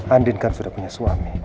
andin kan sudah punya suami